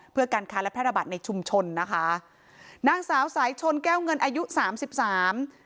เพื่อการค้าและแพร่ระบาดในชุมชนนะคะนางสาวสายชนแก้วเงินอายุสามสิบสาม